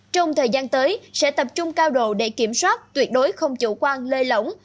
trong thời gian tới sẽ tập trung cao độ để kiểm soát tuyệt đối không chủ quan lơi lỏng